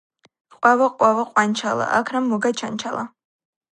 ყვავო, ყვავო, ყვანჩალა, აქ რამ მოგაჩანჩალა?